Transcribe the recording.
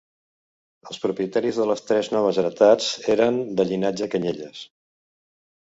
Els propietaris de les tres noves heretats eren de llinatge Canyelles.